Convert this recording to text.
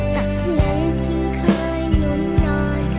ตั้งนั้นที่เคยหนุ่มนอน